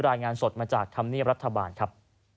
รายงานสดมาจากธรรมเนียบรัฐบาลครับ